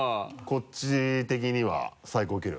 こっち的には最高記録。